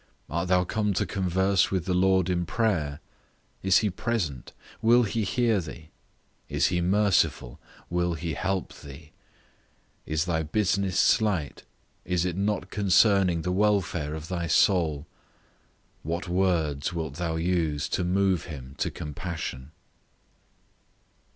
Art thou come to converse with the Lord in prayer? Is he present, will he hear thee? Is he merciful, will he help thee? Is thy business slight, is it not concerning the welfare of thy soul? What words wilt thou use to move him to compassion?